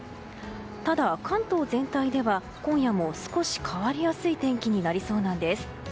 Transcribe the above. ただ、関東全体では今夜も、少し変わりやすい天気になりそうなんです。